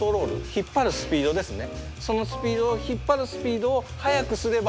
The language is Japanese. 引っ張るスピードですね。